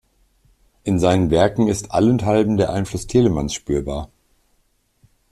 In seinen Werken ist allenthalben der Einfluss Telemanns spürbar.